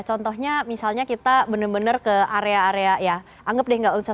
contohnya misalnya kita benar benar ke area area ya anggap deh nggak usah